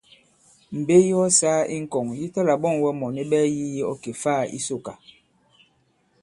Mbe yi ɔ sāa i ŋkɔ̀ŋ yi ta-là-ɓɔ᷇ŋ wɛ mɔ̀ni ɓɛɛ yî yi ɔ kè-faā i Sòkà.